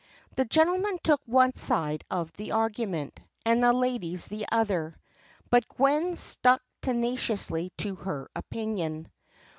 The gentlemen took one side of the argument, and the ladies the other; but Gwen stuck tenaciously to her opinion.